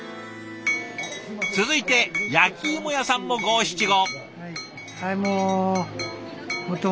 続いて焼き芋屋さんも五七五。